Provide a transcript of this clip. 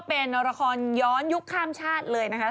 เป็นละครย้อนยุคข้ามชาติเลยนะคะ